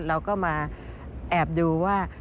เราก็มาแอบดูว่า